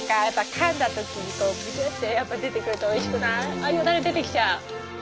あっよだれ出てきちゃう。